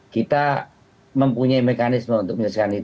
kita mempunyai mekanisme untuk menyelesaikan itu